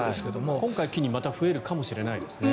今回を機にまた増えるかもしれないですね。